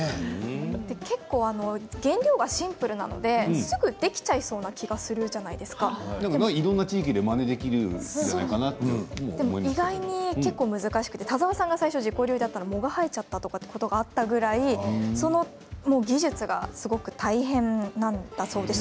結構、原料がシンプルなので、すぐできちゃいそうな気がいろんな地域で意外に結構、難しくて田澤さんが自己流で作ったら藻が生えてしまったということもあるぐらい技術がすごく大変だったそうです。